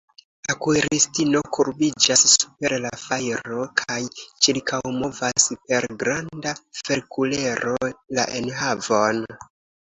La kuiristino kurbiĝas super la fajro, kaj ĉirkaŭmovas per granda ferkulero la enhavon.